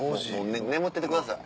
眠っててください。